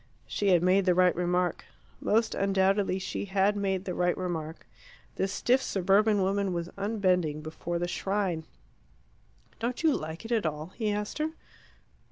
She had made the right remark. Most undoubtedly she had made the right remark. This stiff suburban woman was unbending before the shrine. "Don't you like it at all?" he asked her.